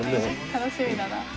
楽しみだな。